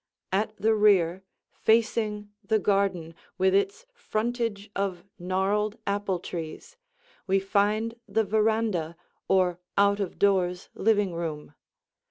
At the rear, facing the garden with its frontage of gnarled apple trees, we find the veranda or out of doors living room.